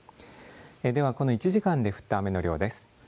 ではこの１時間で降った雨の量です。